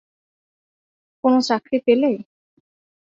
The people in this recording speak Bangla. কোনো চাকরি পেলে?